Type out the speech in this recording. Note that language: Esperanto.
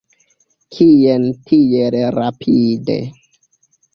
Kien tiel rapide?